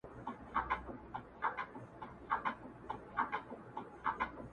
يا دي ښايي بله سترگه در ړنده كړي٫